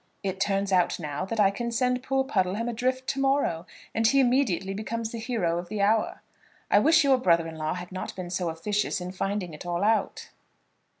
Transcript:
It turns out now that I can send poor Puddleham adrift to morrow, and he immediately becomes the hero of the hour. I wish your brother in law had not been so officious in finding it all out."